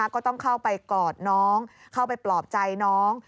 ก็ต้องเข้าไปกอดน้องเข้าไปปลอบใจน้อง